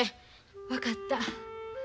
分かった。